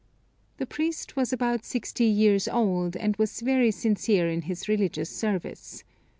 The priest was about sixty years old, and was very sincere in his religious service.